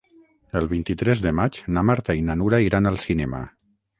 El vint-i-tres de maig na Marta i na Nura iran al cinema.